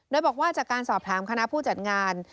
โดยบอกว่าจากการสอบถามคณะผู้จัดงาน